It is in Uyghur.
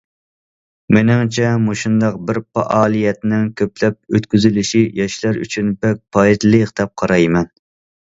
مېنىڭچە مۇشۇنداق بىر پائالىيەتنىڭ كۆپلەپ ئۆتكۈزۈلۈشى ياشلار ئۈچۈن بەك پايدىلىق، دەپ قارايمەن.